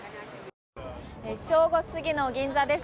正午過ぎの銀座です。